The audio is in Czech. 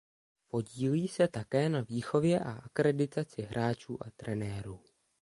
Podílí se také na výchově a akreditaci hráčů a trenérů.